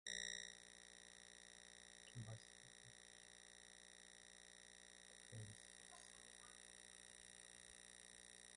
Cedar Springs has a small retail business district and a burgeoning industrial base.